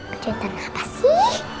kejutan apa sih